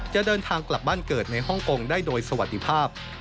จะเดินทางกลับบ้านเกิดในฮ่องกงได้โดยสวัสดีภาพ